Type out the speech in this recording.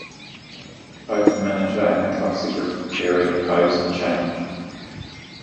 Both the manager and the club secretary opposed the change.